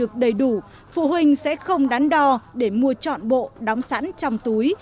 nếu phụ huynh được đầy đủ phụ huynh sẽ không đắn đo để mua trọn bộ đóng sẵn trong túi